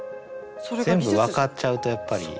全部分かっちゃうとやっぱり。